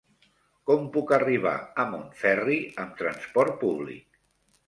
Com puc arribar a Montferri amb trasport públic?